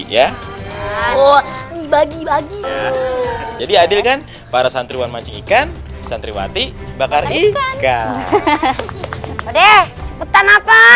ya bagi bagi jadi adil kan para santriwan mancing ikan santriwati bakar ikan deh cepetan apa